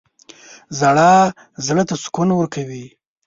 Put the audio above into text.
• ژړا زړه ته سکون ورکوي.